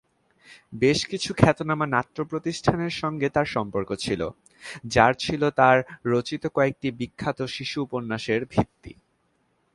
বেশ কিছু খ্যাতনামা নাট্য-প্রতিষ্ঠানের সঙ্গে তার সম্পর্ক ছিল, যার ছিল তার রচিত কয়েকটি বিখ্যাত শিশু উপন্যাসের ভিত্তি।